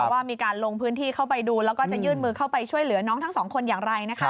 ว่ามีการลงพื้นที่เข้าไปดูแล้วก็จะยื่นมือเข้าไปช่วยเหลือน้องทั้งสองคนอย่างไร